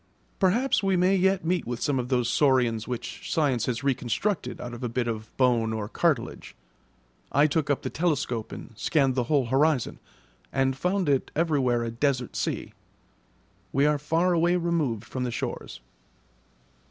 Perhaps we may yet meet with some of those saurians which science has reconstructed out of a bit of bone or cartilage. I took up the telescope and scanned the whole horizon, and found it everywhere a desert sea. We are far away removed from the shores.